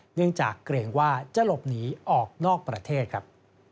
เนื่องจากเกรงว่าจะหลบหนีออกนอกประเทศครับ